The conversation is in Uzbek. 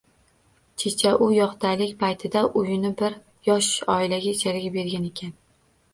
Checha u yoqdalik paytida uyini bir yosh oilaga ijaraga bergan ekan